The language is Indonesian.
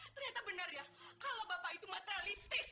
ternyata benar ya kalau bapak itu materialistis